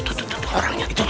tuh orangnya teteh